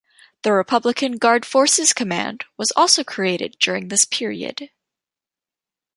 The Republican Guard Forces Command was also created during this period.